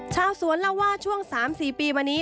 ชาวสวนเล่าว่าช่วง๓๔ปีมานี้